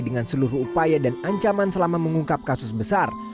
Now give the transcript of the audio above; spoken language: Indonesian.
dengan seluruh upaya dan ancaman selama mengungkap kasus besar